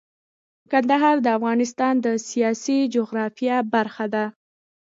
کندهار د افغانستان د سیاسي جغرافیه برخه ده.